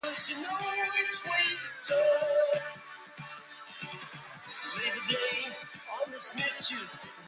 Various spokespersons expressed strong disagreement with these statements.